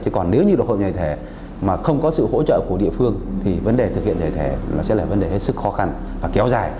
chứ còn nếu như hợp đồng giải thẻ mà không có sự hỗ trợ của địa phương thì vấn đề thực hiện giải thẻ sẽ là vấn đề hết sức khó khăn và kéo dài